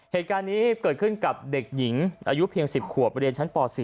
เหตุการณ์นี้เกิดขึ้นกับเด็กหญิงอายุเพียง๑๐ขวบเรียนชั้นป๔